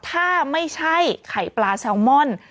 ถ้าไม่ใช่ไข่ปลาแซลมอน